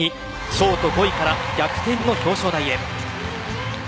ショート５位から逆転の表彰台へ。